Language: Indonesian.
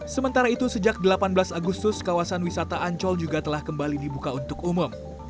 sementara itu sejak delapan belas agustus kawasan wisata ancol juga telah kembali dibuka untuk umum